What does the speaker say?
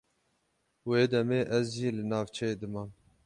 Wê demê ez jî li navçeyê dimam.